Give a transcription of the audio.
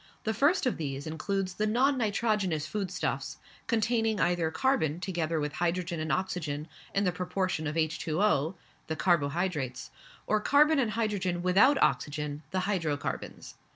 The first of these includes the non nitrogenous food stuffs, containing either carbon together with hydrogen and oxygen in the proportion of H2O (the carbo hydrates), or carbon and hydrogen without oxygen (the hydrocarbons).